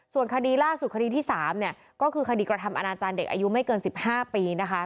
ส่วนคดีล่าสุดคดีที่๓ก็คือคดีกระทำอนาจารย์เด็กอายุไม่เกิน๑๕ปีนะคะ